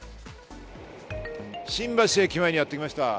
新橋駅前にやってきました。